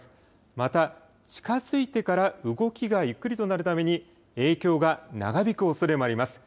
また近づいてから動きがゆっくりとなるために影響が長引くおそれもあります。